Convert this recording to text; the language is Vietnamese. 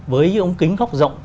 với những ống kính góc rộng